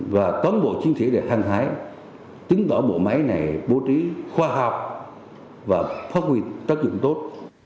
và tóm bộ chiến thị để hăng hái tính đỏ bộ máy này bố trí khoa học và phát huy tất dụng tốt